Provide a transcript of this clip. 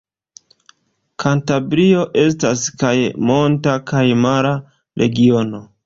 Kantabrio estas kaj monta kaj mara regiono.